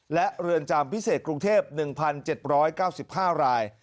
และเรือนจำพิเศษกรุงเทพ๑๗๙๕ราย